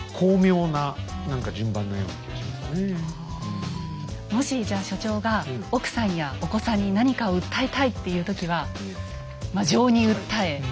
ほんとにもしじゃ所長が奥さんやお子さんに何かを訴えたいっていう時はまあ情に訴え。